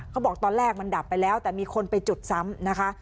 เขาบอกตอนแรกมันดับไปแล้วแต่มีคนไปจุดซ้ำนะคะ